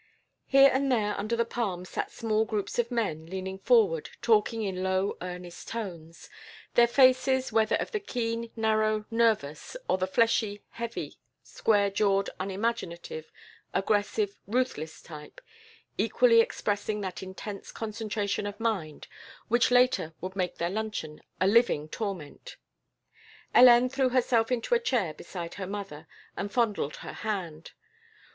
Here and there under the palms sat small groups of men, leaning forward, talking in low earnest tones, their faces, whether of the keen, narrow, nervous, or of the fleshy, heavy, square jawed, unimaginative, aggressive, ruthless type, equally expressing that intense concentration of mind which later would make their luncheon a living torment. Hélène threw herself into a chair beside her mother and fondled her hand.